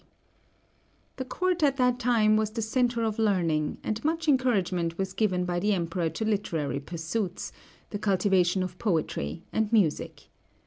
D.). The court at that time was the centre of learning, and much encouragement was given by the Emperor to literary pursuits, the cultivation of poetry, and music.